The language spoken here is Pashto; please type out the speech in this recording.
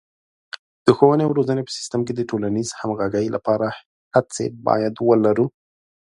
د ښوونې او روزنې په سیستم کې د ټولنیزې همغږۍ لپاره هڅې باید ولرو.